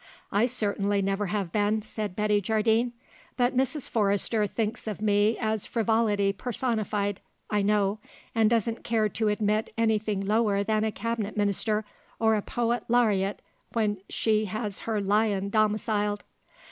"I certainly never have been," said Betty Jardine. "But Mrs. Forrester thinks of me as frivolity personified, I know, and doesn't care to admit anything lower than a cabinet minister or a poet laureate when she has her lion domiciled.